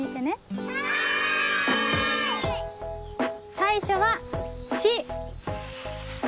最初は「し」。